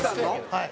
はい。